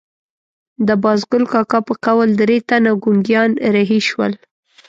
د بازګل کاکا په قول درې تنه ګونګیان رهي شول.